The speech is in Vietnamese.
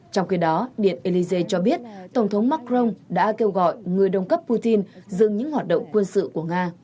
trong khi đó điện élysée cho biết tổng thống macron đã kêu gọi người đồng cấp putin dừng những hoạt động quân sự của nga